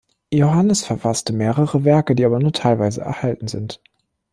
Johannes verfasste mehrere Werke, die aber nur teilweise erhalten sind.